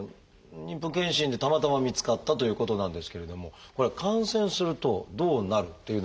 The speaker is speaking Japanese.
妊婦健診でたまたま見つかったということなんですけれどもこれは感染するとどうなるっていうのはあるんですか？